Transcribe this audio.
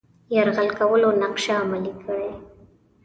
یرغل کولو نقشه عملي کړي.